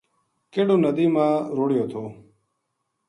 کہڑو ندی ما رُڑھیو تھو